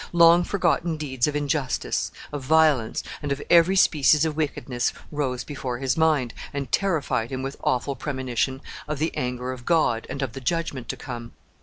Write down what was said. Long forgotten deeds of injustice, of violence, and of every species of wickedness rose before his mind, and terrified him with awful premonition of the anger of God and of the judgment to come.